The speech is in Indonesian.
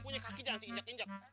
punya kaki jangan seinjak injak